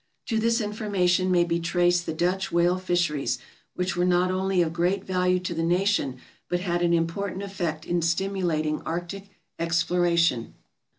To this information may be traced the Dutch whale fisheries, which were not only of great value to the nation, but had an important effect in stimulating arctic exploration.